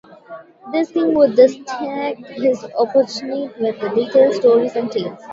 This king would distract his opponent with details stories and tales.